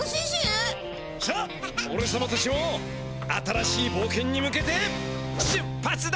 さあっおれさまたちも新しいぼうけんに向けて出発だ！